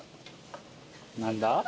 何だ？